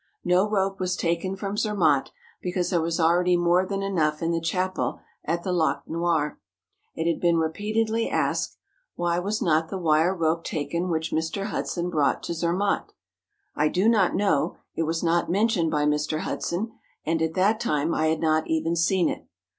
No rope was taken from Zermatt, because there was already more than enough in the chapel at the Lac Noir. It has been repeatedly asked, ' Why was not the wire rope taken which Mr. Hudson brought to Zermatt ?' I do not know ; it was not mentioned by Mr. Hudson, and at that time I had not even seen it.